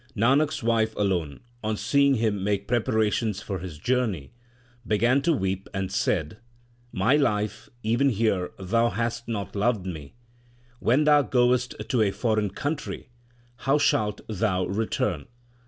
Nanak s wife alone, on seeing him make preparations for his journey, began to weep, and said, My life, even here thou hast not loved me ; when thou goest to a foreign country, how shalt thou return